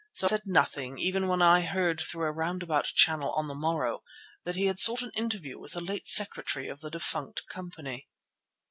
So I said nothing, even when I heard through a roundabout channel on the morrow that he had sought an interview with the late secretary of the defunct company.